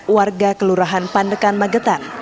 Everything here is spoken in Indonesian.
warga kelurahan pandekan magetan